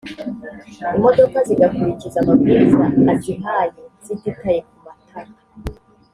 imodoka zigakurikiza amabwiriza azihaye zititaye ku matara